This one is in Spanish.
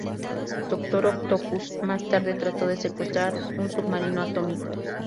Doctor Octopus más tarde trató de secuestrar un submarino atómico.